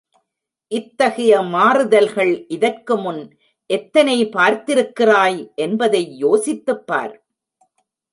இத்தகைய மாறுதல்கள் இதற்குமுன் எத்தனை பார்த்திருக்கிறாய் என்பதை யோசித்துப்பார்.